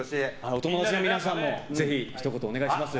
お友達の皆さんもぜひ、ひと言お願いします。